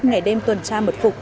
ngày đêm tuần tra mật phục